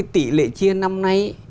tỷ lệ chia năm nay